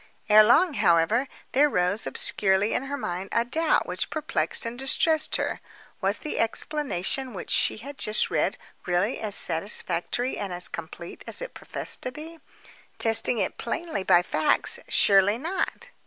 Ere long, however, there rose obscurely on her mind a doubt which perplexed and distressed her. Was the explanation which she had just read really as satisfactory and as complete as it professed to be? Testing it plainly by facts, surely not.